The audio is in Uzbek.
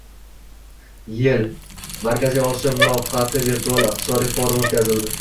YeI - Markaziy Osiyo muloqoti virtual Iqtisodiy forumi o‘tkazildi